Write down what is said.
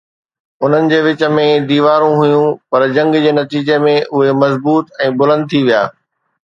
انهن جي وچ ۾ ديوارون هيون، پر جنگ جي نتيجي ۾ اهي مضبوط ۽ بلند ٿي ويا.